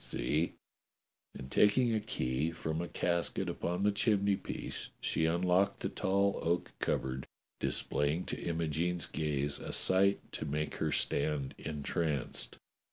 See!" And taking a key from a casket upon the chimney piece she unlocked the tall oak cupboard, displaying to Imogene's gaze a sight to make her stand entranced.